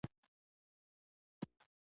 کنډېنسیشن د ګاز په مایع بدلیدو ته وایي.